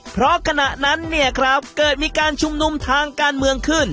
เพราะขณะนั้นเนี่ยครับเกิดมีการชุมนุมทางการเมืองขึ้น